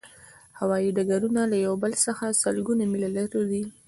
هوایی ډګرونه له یو بل څخه سلګونه میله لرې دي